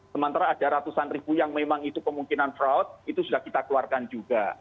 sementara ada ratusan ribu yang memang itu kemungkinan fraud itu sudah kita keluarkan juga